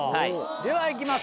では行きます